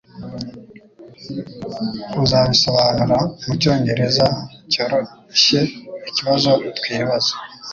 Uzabisobanura mucyongereza cyoroshyeikibazo twibaza